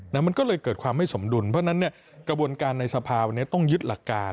มันก็เลยเกิดความไม่สมดุลเพราะฉะนั้นเนี่ยกระบวนการในสภาวันนี้ต้องยึดหลักการ